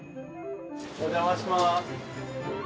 お邪魔します。